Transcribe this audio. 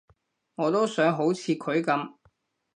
我都想好似佢噉